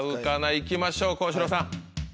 行きましょう幸四郎さん。